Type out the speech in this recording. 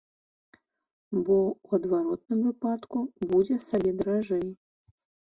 Бо ў адваротным выпадку будзе сабе даражэй.